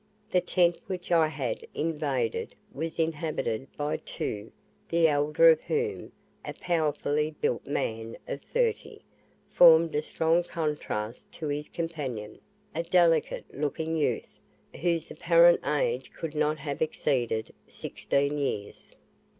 The tent which I had invaded was inhabited by two, the elder of whom, a powerfully built man of thirty, formed a strong contrast to his companion, a delicate looking youth, whose apparent age could not have exceeded sixteen years.